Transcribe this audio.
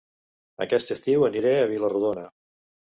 Aquest estiu aniré a Vila-rodona